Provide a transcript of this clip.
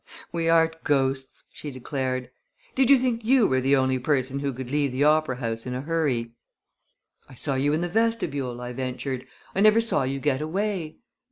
"We aren't ghosts!" she declared. "Did you think you were the only person who could leave the opera house in a hurry?" "I saw you in the vestibule," I ventured. "I never saw you get away."